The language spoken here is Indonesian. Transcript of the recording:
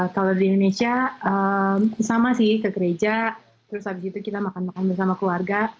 kalau di indonesia sama sih ke gereja terus habis itu kita makan makan bersama keluarga